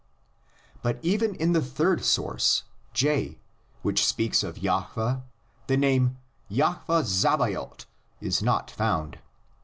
But even in the third source (J), which speaks of "Jahveh," the name "Jahveh Zebaoth" is not found.